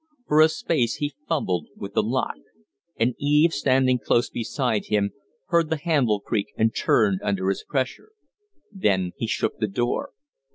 For a space he fumbled with the lock. And Eve, standing close behind him, heard the handle creak and turn under his pressure. Then he shook the door.